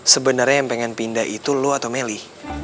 sebenernya yang pengen pindah itu lu atau melly